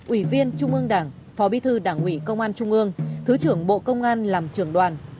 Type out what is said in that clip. ủy viên trung ương đảng phó bí thư đảng ủy công an trung ương thứ trưởng bộ công an làm trưởng đoàn